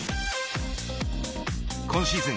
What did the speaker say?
今シーズン